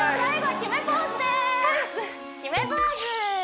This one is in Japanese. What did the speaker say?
決めポーズ